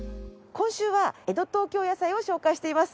今週は江戸東京野菜を紹介しています。